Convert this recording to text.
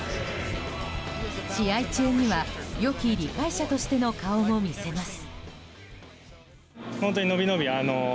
試合中には良き理解者としての顔も見せます。